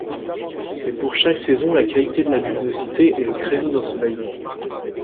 Et pour chaque saison la qualité de la luminosité et le créneau d’ensoleillement.